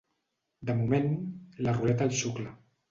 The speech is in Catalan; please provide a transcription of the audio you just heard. De moment, la ruleta el xucla.